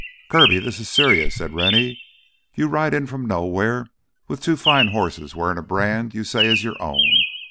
"Kirby, this is serious!" said Rennie. "You ride in from nowhere with two fine horses wearing a brand you say is your own.